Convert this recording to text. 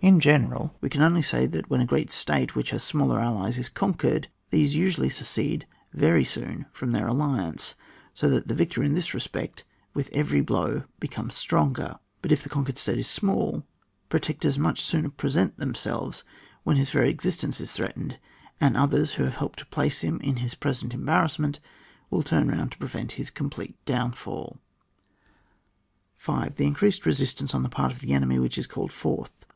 In general, we can only say that when a great state which has smaller allies is conquered, these usually secede very soon from their alliance, so that the victor, in this respect, with every blow becomes stronger ; but if the conquered state is small, protectors much sooner present themselves when his very exist ence is threatened, and others, who have helped to place him in his present em barrassment, will turn round to prevent his complete downfall. 5. The increased resistance on the part of the enemy which is called forth.